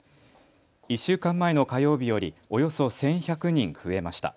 １週間前の火曜日よりおよそ１１００人増えました。